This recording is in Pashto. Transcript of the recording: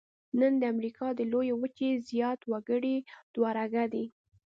نن د امریکا د لویې وچې زیات وګړي دوه رګه دي.